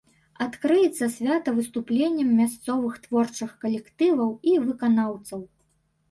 Адкрыецца свята выступленнем мясцовых творчых калектываў і выканаўцаў.